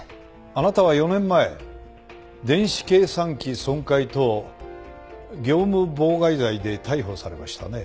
あなたは４年前電子計算機損壊等業務妨害罪で逮捕されましたね？